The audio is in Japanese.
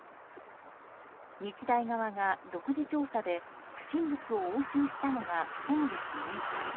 日大側が独自調査で不審物を押収したのが先月６日。